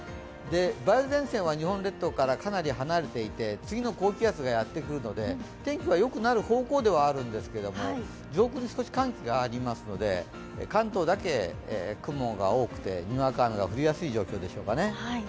梅雨前線は日本列島からかなり離れていて次の高気圧がやってくるので天気はよくなる方向ではあるんですけれども上空に少し寒気がありますので関東だけ雲が多くてにわか雨が降りやすい状況でしょうかね。